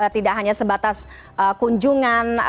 tidak hanya sebatas kunjungan